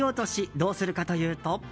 どうするかというと。